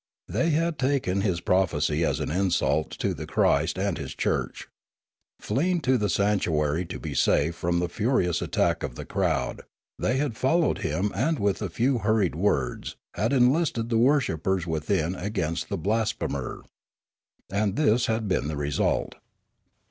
They had taken his prophesy as an insult to the Christ and His church. Fleeing to the sanctuary to be safe from the furious attack of the crowd, they had followed him and with a few hurried words had enlisted the worshippers within against the blasphemer. And this had been the result.